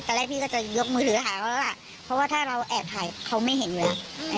แรกพี่ก็จะยกมือถือหาเขาแล้วล่ะเพราะว่าถ้าเราแอบถ่ายเขาไม่เห็นอยู่แล้ว